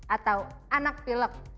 atau anak pilek